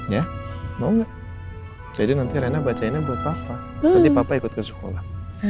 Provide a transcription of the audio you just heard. ya mau nggak jadi nanti rena bacainnya buat papa nanti papa ikut ke sekolah